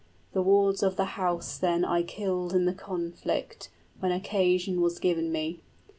The wards of the house then 15 I killed in the conflict (when occasion was given me).